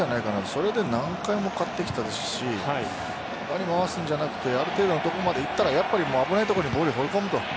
それで何回も勝ってきたし他に回すんじゃなくてある程度のところまでいったら危ないところにボールを放り込むと。